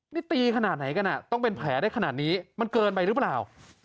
นี่ตีขนาดไหนกันอ่ะต้องเป็นแผลได้ขนาดนี้มันเกินไปหรือเปล่า